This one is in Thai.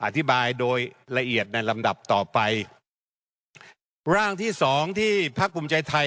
อธิบายโดยละเอียดในลำดับต่อไปร่างที่สองที่พักภูมิใจไทย